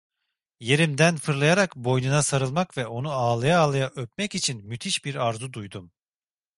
Yerimden fırlayarak boynuna sarılmak ve onu ağlaya ağlaya öpmek için müthiş bir arzu duydum.